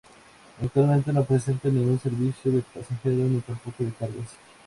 Actualmente, no presta ningún servicio de pasajeros ni tampoco de cargas.